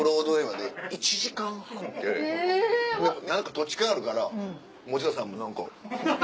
土地勘あるから持田さんも何か。